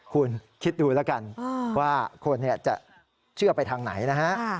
คุณคิดดูแล้วกันว่าคนจะเชื่อไปทางไหนนะฮะ